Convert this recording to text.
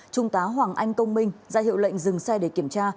trung tá hoàng anh công minh ra hiệu lệnh dừng xe để kiểm tra